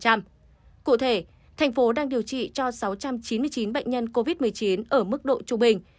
cụ thể thành phố đang điều trị cho sáu trăm chín mươi chín bệnh nhân covid một mươi chín ở mức độ trung bình